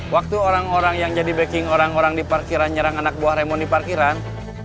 waktu orang orang yang jadi backing orang orang di parkiran nyerang anak buah remoni parkiran